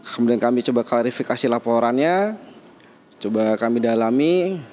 kemudian kami coba klarifikasi laporannya coba kami dalami